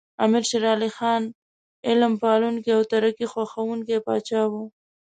امیر شیر علی خان علم پالونکی او ترقي خوښوونکی پاچا و.